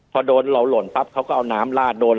พอโดนเราหล่นปั๊บเขาก็เอาน้ำลาดโดน